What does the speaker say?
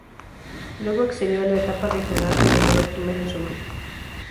Luego accedió a la Etapa Regional donde quedó primero en su grupo.